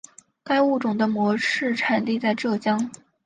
该物种的模式产地在浙江。